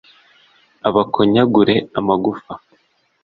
abakonyagure amagufa.